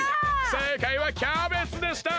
せいかいはキャベツでした！